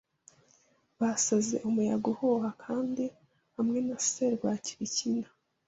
Basaze umuyaga uhuha, Kandi hamwe na serwakira ikina